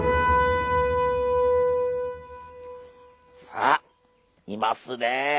さあいますね。